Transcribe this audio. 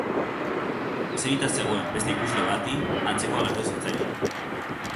Eserita zegoen beste ikusle bati antzekoa gertatu zitzaion.